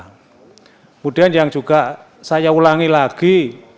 kemudian yang juga saya ulangi lagi